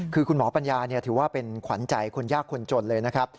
คือคุณหมอปัญญาถือว่าเป็นขวัญใจคนยากคนจนเลยนะครับ